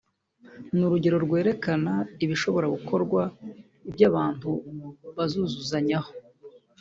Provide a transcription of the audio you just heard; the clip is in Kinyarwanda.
ni urugero rwerekana ibishobora gukorwa ibyo abantu buzuzuzanyaho